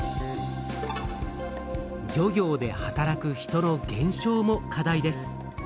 「漁業で働く人の減少」も課題です。